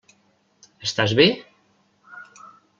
Estàs bé?